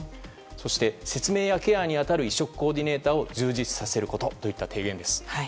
そして説明やケアに当たる移植コーディネーターを充実さえることといった提言です。